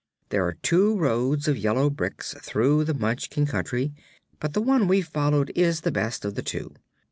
There are two roads of yellow bricks through the Munchkin Country, but the one we followed is the best of the two.